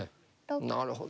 なるほど。